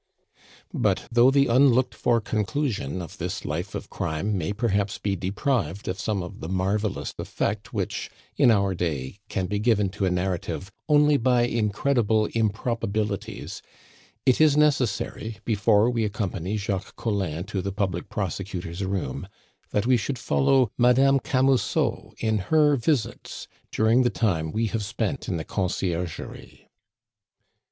But though the unlooked for conclusion of this life of crime may perhaps be deprived of some of the marvelous effect which, in our day, can be given to a narrative only by incredible improbabilities, it is necessary, before we accompany Jacques Collin to the public prosecutor's room, that we should follow Madame Camusot in her visits during the time we have spent in the Conciergerie.